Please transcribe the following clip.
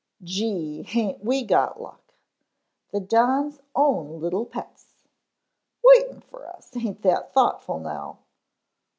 "Gee, aint we got luck!" "The Don's own little pets." "Waitin' fer us. Aint that thoughtful now."